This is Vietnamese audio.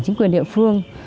chính quyền địa phương